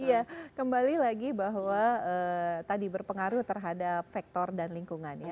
iya kembali lagi bahwa tadi berpengaruh terhadap sektor dan lingkungan ya